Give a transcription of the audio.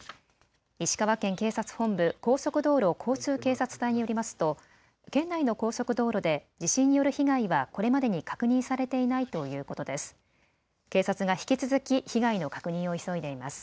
石川県警察本部高速道路交通警察隊によりますと県内の高速道路で地震による被害はこれまでに確認されていないということです。